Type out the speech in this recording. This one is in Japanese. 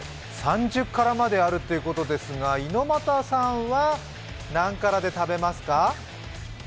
３０辛まであるということですが、猪股さんは何辛で食べますか？